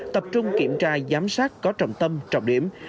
tập trung kiểm tra giám sát có trọng tâm trọng điểm